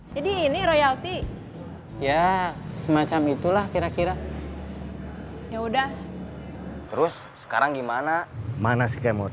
jadi ini royalti iya semacam itulah kira kira yaudah terus sekarang gimana mana si kemur